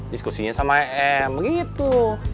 diskusinya sama em begitu